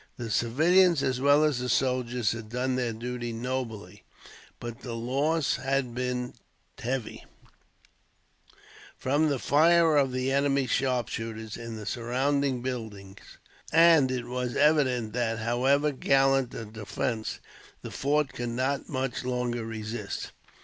The civilians as well as the soldiers had done their duty nobly, but the loss had been heavy, from the fire of the enemy's sharpshooters in the surrounding buildings; and it was evident that, however gallant the defence, the fort could not much longer resist.